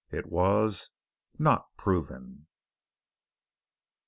It was 'Not Proven'!"